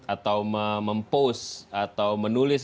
atau mempost atau menulis